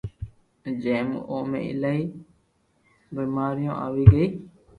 جي مون او ۾ ايلائي بآماريو آوي گئي